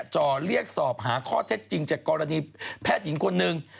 จ่อเรียกสอบหาข้อเท็จจริงจากกรณีแพทย์หญิงคนหนึ่ง